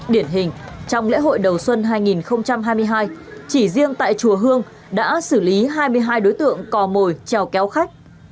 điển hình trong lễ hội đầu xuân hai nghìn hai mươi hai chỉ riêng tại chùa hương đã xử lý hai mươi hai đối tượng cò mồi chèo kéo khách